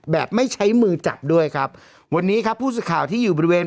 แบบไม่ใช้มือจับด้วยครับวันนี้ครับผู้สื่อข่าวที่อยู่บริเวณ